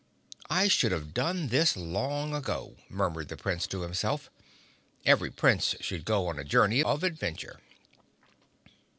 "I should have done this long ago," murmured the Prince to himself. "Every Prince should go on a journey of adventure."